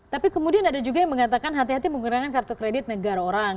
tapi kemudian ada juga yang mengatakan hati hati menggunakan kartu kredit negara orang